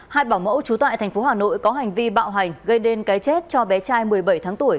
hai bảo mẫu trú tại thành phố hà nội có hành vi bạo hành gây nên cái chết cho bé trai một mươi bảy tháng tuổi